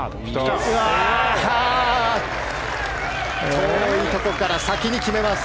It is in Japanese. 遠いところから先に決めます！